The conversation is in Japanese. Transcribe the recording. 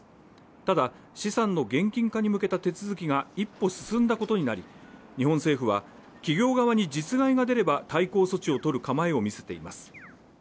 ただ、資産の現金化に向けた手続きが一歩進んだことになり日本政府は企業側に実害が出れば対抗措置をとる構えを見せています。